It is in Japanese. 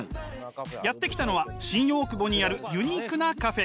やって来たのは新大久保にあるユニークなカフェ。